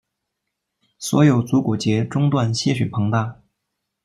所有足股节中段些许膨大。